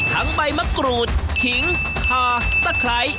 ทั้งใบมะกรูดขิงคาตะไคร